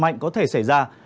mạnh có thể xảy ra